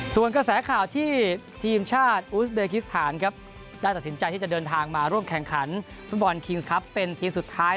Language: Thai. ส่วนกระแสข่าวที่ทีมชาติอูสเบกิสถานครับได้ตัดสินใจที่จะเดินทางมาร่วมแข่งขันฟุตบอลคิงส์ครับเป็นทีมสุดท้าย